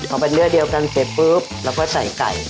พอเป็นเนื้อเดียวกันเสร็จปุ๊บเราก็ใส่ไก่